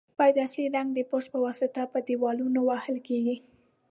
بیا اصلي رنګ د برش په واسطه پر دېوالونو وهل کیږي.